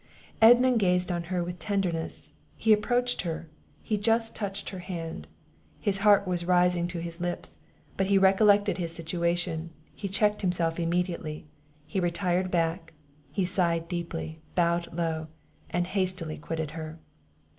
Edmund gazed on her with tenderness; he approached her, he just touched her hand; his heart was rising to his lips, but he recollected his situation; he checked himself immediately; he retired back, he sighed deeply, bowed low, and hastily quitted her.